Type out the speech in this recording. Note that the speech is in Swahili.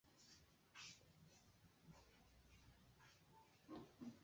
ya Altai Mashariki mwa nchi zao waliishi